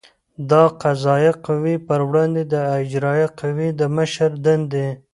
د قضایه قوې پر وړاندې د اجرایه قوې د مشر دندې